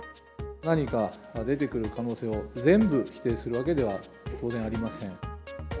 何か出てくる可能性を、全部否定するわけでは当然ありません。